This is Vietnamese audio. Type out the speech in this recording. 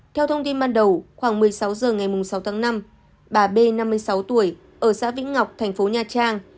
theo thông tin ban đầu khoảng một mươi sáu h ngày sáu tháng năm bà b năm mươi sáu tuổi ở xã vĩnh ngọc thành phố nha trang